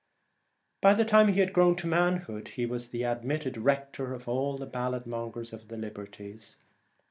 By the time he had grown to manhood he was the admitted rector of all the ballad mongers of the Liberties.